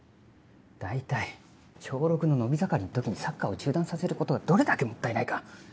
大体小６の伸び盛りの時にサッカーを中断させることがどれだけもったいないか。